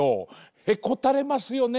へこたれますよね